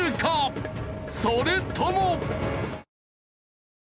それとも！